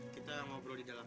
kita ngobrol di dalam